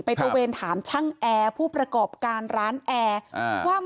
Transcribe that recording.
ไปตัวเบนถามช่างแอร์ผู้ประกอบการร้านแอร์